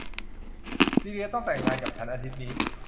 ซีเลียต้องแต่งงานกับฉันอาทิตย์นี้